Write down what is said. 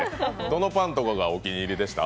どのパンとかがお気に入りでした？